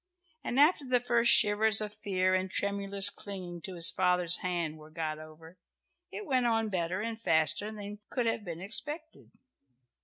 And after the first shivers of fear and tremulous clinging to his father's hand were got over, it went on better and faster than could have been expected.